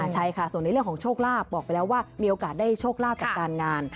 ใช่ค่ะส่วนในเรื่องของโชคลาภบอกไปแล้วว่ามีโอกาสได้โชคลาภจากการงาน